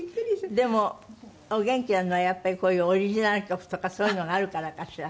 でもお元気なのはやっぱりこういうオリジナル曲とかそういうのがあるからかしら？